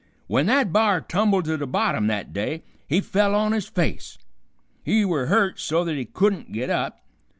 Wen that b'ar tumbled to the bottom that day, he fell on his face. He were hurt so th't he couldn't get up.